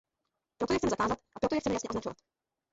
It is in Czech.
Proto je chceme zakázat a proto je chceme jasně označovat.